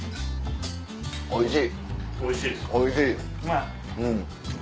おいしい！